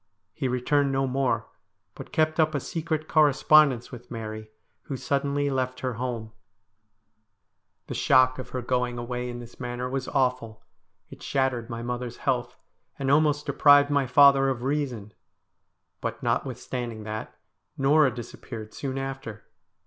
He returned no more, but kept up. a secret correspondence with Mary, who suddenly left her home. The THE STORY OF A HANGED MAN 283 shock of her going away in this manner was awful ; it shattered my mother's health, and almost deprived my father of reason. But, notwithstanding that, Norah disappeared soon after.